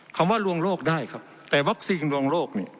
ว่าลวงโรคได้ครับแต่วัคซีนลวงโลกเนี่ย